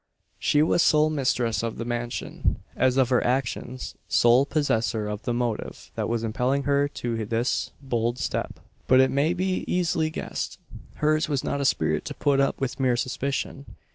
She was sole mistress of the mansion, as of her actions sole possessor of the motive that was impelling her to this bold step. But it may be easily guessed. Hers was not a spirit to put up with mere suspicion.